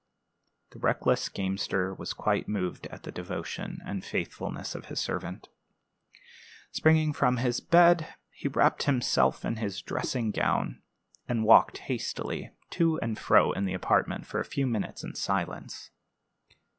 The reckless gamester was quite moved at the devotion and faithfulness of his servant. Springing from bed, he wrapped himself in his dressing gown, and walked hastily to and fro in the apartment for a few minutes in silence.